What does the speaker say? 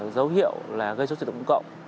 dấu hiệu là gây xuất diện tổng cộng